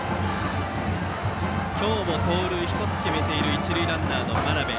今日も盗塁１つを決めている一塁ランナーの眞邉。